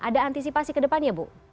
ada antisipasi kedepannya bu